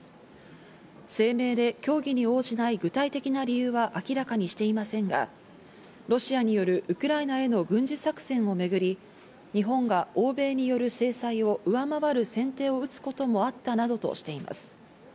声明で協議に応じない具体的な理由は明らかにしていませんが、ロシアによるウクライナへの軍事作戦をめぐり、日本が欧米による制裁を上回る先手をうつこともあったなどとしています。